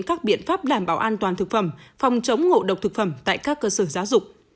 các biện pháp đảm bảo an toàn thực phẩm phòng chống ngộ độc thực phẩm tại các cơ sở giáo dục